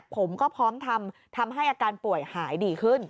ผมก็พร้อมทำให้อาการป่วยหายดีขึ้น